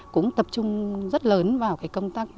cũng tập trung rất lớn vào công tác